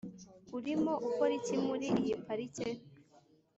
urimo ukora iki muri iyi parike?